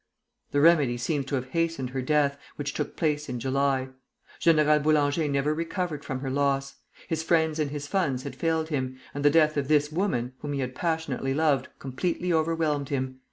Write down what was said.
The remedy seems to have hastened her death, which took place in July. General Boulanger never recovered from her loss. His friends and his funds had failed him, and the death of this woman, whom he had passionately loved, completely overwhelmed him.